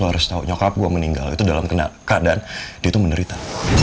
harus tahu nyokap gue meninggal itu dalam keadaan dia itu menderita